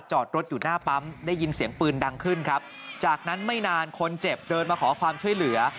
จอดรถอยู่หน้าปั๊มได้ยินเสียงปืนดังขึ้นครับจากนั้นไม่นานคนเจ็บเดินมาขอความช่วยเหลือ